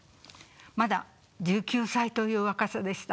まだ１９歳という若さでした。